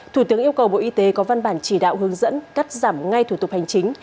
thủ tướng yêu cầu bộ y tế có văn bản chỉ đạo hướng dẫn cắt giảm ngay thủ tục hành chính